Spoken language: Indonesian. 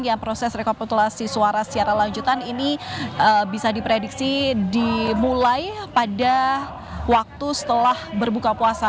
yang proses rekapitulasi suara secara lanjutan ini bisa diprediksi dimulai pada waktu setelah berbuka puasa